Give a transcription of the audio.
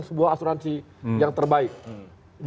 sebuah asuransi yang terbaik